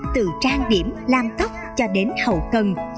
từ trang điểm lam tóc cho đến hậu cần